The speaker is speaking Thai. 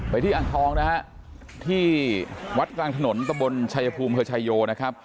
ไปที่อังทองที่วัดกลางถนนตะบลชายพูมเฮอร์ชัยโยนะครับ